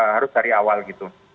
harus dari awal gitu